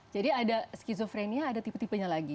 jadi ada schizophrenia ada tipe tipenya lagi